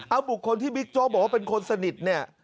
เอาบุคคลที่บิ๊กโจ๊กบอกว่าเป็นคนสนิทเนี่ย